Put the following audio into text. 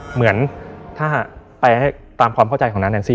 เหมือนถ้าไปให้ตามความเข้าใจของน้าแนนซี่